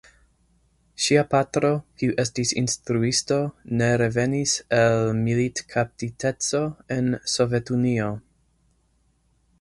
Ŝia patro, kiu estis instruisto, ne revenis el militkaptiteco en Sovetunio.